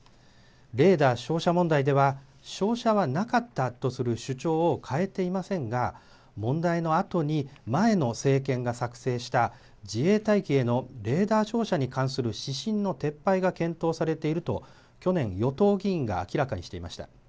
レーダー照射問題では、照射はなかったとする主張を変えていませんが、問題のあとに前の政権が作成した自衛隊機へのレーダー照射に関する指針の撤廃が検討されていると、去年、与党議員が明らかにしていました。